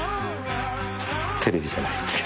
テレビじゃない。